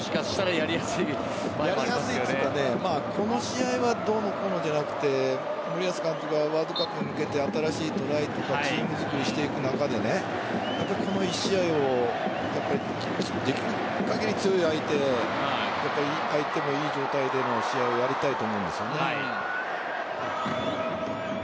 やりやすいというかこの試合がどうのこうのじゃなくて森保監督はワールドカップに向けて新しい形チームづくりをしていく中でこの１試合を、やっぱりできる限り相手も良い状態での試合をやりたいと思うんです。